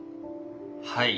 はい。